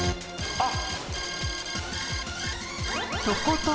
あっ！